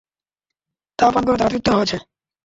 তা পান করে তারা তৃপ্ত হয়েছে।